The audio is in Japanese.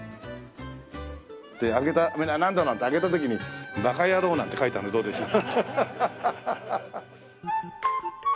で開けたなんだろう？なんて開けた時に「バカヤロウ」なんて書いてあるのどうでしょう？